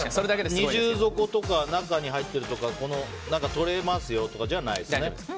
二重底とか、中に入ってるとか取れますよとかじゃないですね。